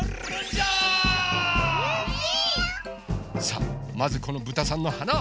さあまずこのぶたさんのはな。